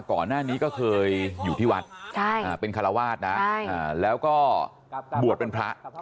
ก่อนหน้านี้ก็เคยอยู่ที่วัดเป็นคาราวาสนะแล้วก็บวชเป็นพระ